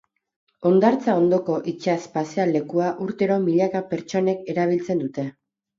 Hondartza ondoko itsas pasealekua urtero milaka pertsonek erabiltzen dute.